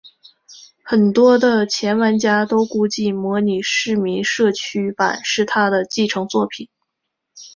很多的前玩家都估计模拟市民社区版是它的继承作品。